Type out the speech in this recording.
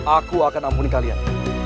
aku akan mengampuni kalian